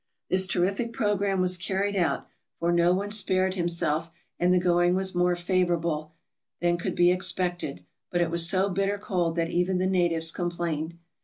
This terrific program was carried out, for no one spared himself, and the going was more favorable than could be expected; but it was so bitter cold that even the natives complained.